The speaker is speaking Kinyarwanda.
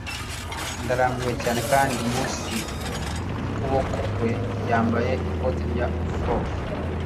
ndarambiwe cyane, kandi munsi yukuboko kwe yambaye ikote rya frock